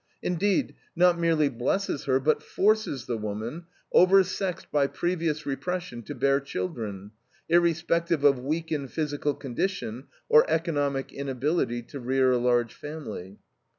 Indeed, not merely blesses her, but forces the woman, oversexed by previous repression, to bear children, irrespective of weakened physical condition or economic inability to rear a large family.